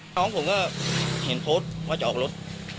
น้องผมก็เห็นโพสต์ว่าจะออกรถ